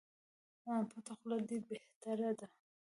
پټه خوله دي بهتري ده